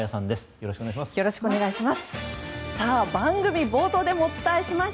よろしくお願いします。